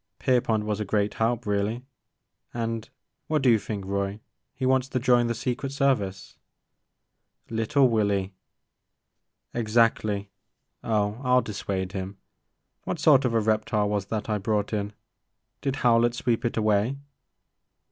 Pierpont was a great help, really, — and, what do you think, Roy ? He wants to join the Secret Service !•' LitUe Willy !''Exactly. Oh I *11 dissuade him. What sort of a reptile was that I brought in ? Did Howlett sweep it away?